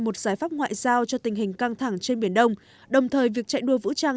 một giải pháp ngoại giao cho tình hình căng thẳng trên biển đông đồng thời việc chạy đua vũ trang